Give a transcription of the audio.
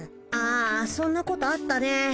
あそんなことあったね。